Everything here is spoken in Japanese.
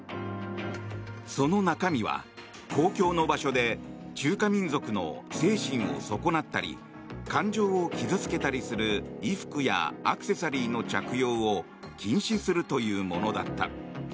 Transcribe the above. その中身は公共の場所で中華民族の精神を損なったり感情を傷付けたりする衣服やアクセサリーの着用を禁止するというものだった。